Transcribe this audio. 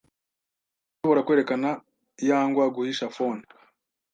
Urashoora kwerekana yangwa guhisha phone